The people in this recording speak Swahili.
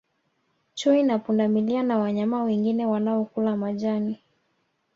Chui na pundamilia na wanyama wengine wanaokula majani